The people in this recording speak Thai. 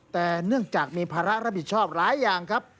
แต่เนื่องจากมีภาระรับผิดชอบหลายอย่างครับ